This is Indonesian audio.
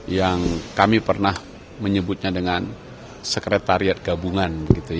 yang kami pernah menyebutnya dengan sekretariat gabungan